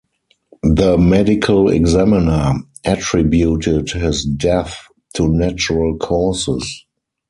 The medical examiner attributed his death to natural causes.